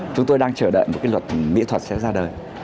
chúng tôi đang chờ đợi một cái luật mỹ thuật sẽ ra đời